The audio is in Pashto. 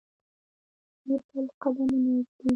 دپیل قدمونه ایږدي